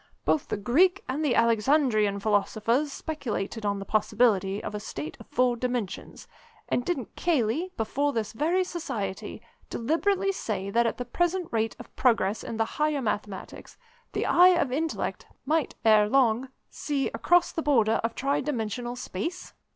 Both the Greek and the Alexandrian philosophers speculated on the possibility of a state of four dimensions; and didn't Cayley, before this very Society, deliberately say that at the present rate of progress in the Higher Mathematics, the eye of Intellect might ere long see across the border of tri dimensional space?